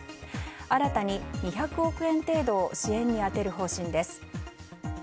新たに２００億円程度を支援に充てる方針です。